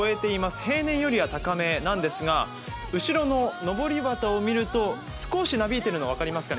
平年よりは高めなんですが後ろののぼり旗を見ると、少しなびいているのが分かりますかね。